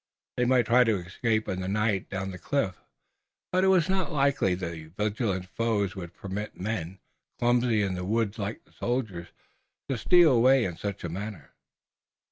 They might try to escape in the night down the cliff, but it was not likely that vigilant foes would permit men, clumsy in the woods like the soldiers, to steal away in such a manner.